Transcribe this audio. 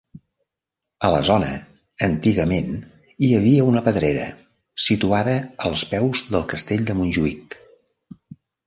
A la zona antigament hi havia una pedrera, situada als peus del Castell de Montjuïc.